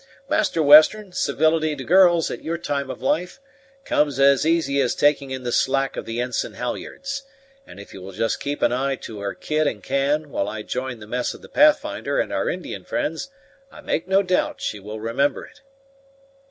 Master Western, civility to girls, at your time of life, comes as easy as taking in the slack of the ensign halyards; and if you will just keep an eye to her kid and can, while I join the mess of the Pathfinder and our Indian friends, I make no doubt she will remember it."